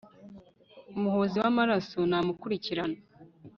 umuhozi w'amaraso namukurikirana